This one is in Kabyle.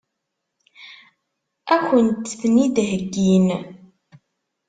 Ad kent-ten-id-heggin?